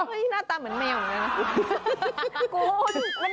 หน้าตาเหมือนแมวเหมือนกันนะ